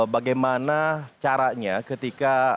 bagaimana caranya ketika